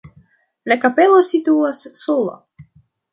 La kapelo situas sola.